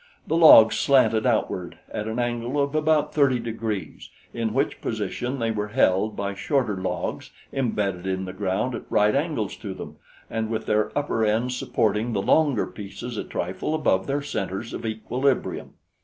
The logs slanted outward at an angle of about thirty degrees, in which position they were held by shorter logs embedded in the ground at right angles to them and with their upper ends supporting the longer pieces a trifle above their centers of equilibrium.